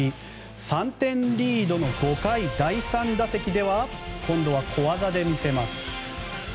３点リードの５回、第３打席では今度は小技で魅せます。